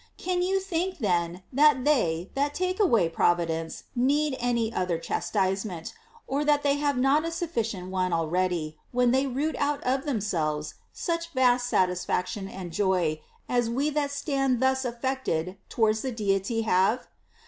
Can you think then that they that take away Providence need any other chastisement, or that they have not a suffi cient one already, when they root out of themselves such vast satisfaction and joy as we that stand thus affected towards the Deity have"?